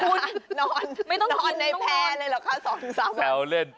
เดี๋ยวนะคะนอนไม่ต้องนอนนอนในแผ่เลยเหรอค่ะ